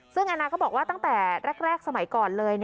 ซึ่งแอนนาก็บอกว่าตั้งแต่แรกสมัยก่อนเลย